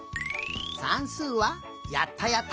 さんすうはやったやった！